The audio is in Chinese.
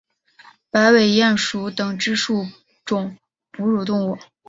白尾鼹属等之数种哺乳动物。